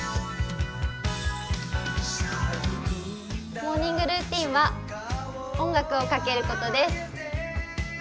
モーニングルーチンは音楽をかけることです。